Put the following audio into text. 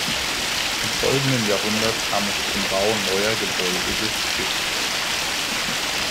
Im folgenden Jahrhundert kam es zum Bau neuer Gebäude des Stifts.